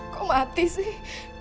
kok mati sih